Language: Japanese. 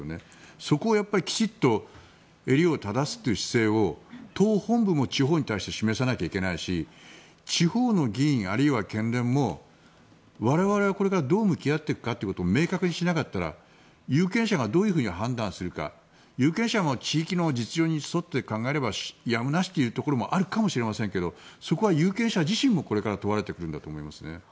そこをきちんと襟を正すという姿勢を党本部も地方に対して示さなきゃいけないし地方の議員あるいは県連も我々はこれからどう向き合っていくかということを明確にしなかったら、有権者がどういうふうに判断するか有権者も地域の実情に沿って考えればやむなしかもしれませんがそこは有権者自身も問われてくると思います。